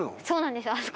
そうなんですよ。